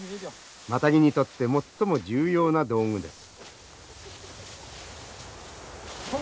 マタギにとって最も重要な道具です。